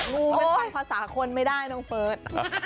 งูคำว่าของสาขนไม่ได้น้องเฟิร์ส